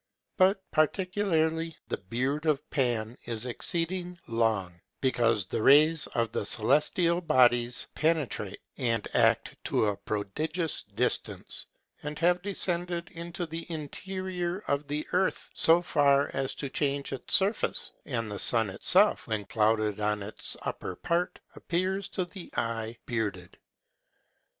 But particularly the beard of Pan is exceeding long, because the rays of the celestial bodies penetrate, and act to a prodigious distance, and have descended into the interior of the earth, so far as to change its surface; and the sun himself, when clouded on its upper part, appears to the eye bearded.